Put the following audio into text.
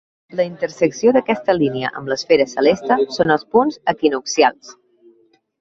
La intersecció d'aquesta línia amb l'esfera celeste són els punts equinoccials.